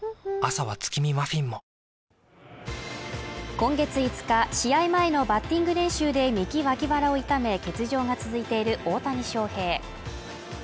今月５日試合前のバッティング練習で右脇腹を痛め欠場が続いている大谷翔平